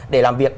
để làm việc